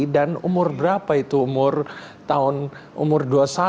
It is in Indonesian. dan umur berapa itu umur tahun umur dua puluh satu